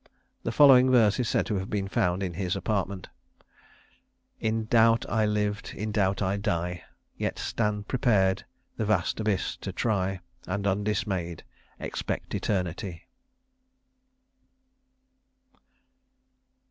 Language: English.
The following verse is said to have been found in his apartment: "In doubt I lived, in doubt I die, Yet stand prepared the vast abyss to try, And, undismay'd, expect eternity."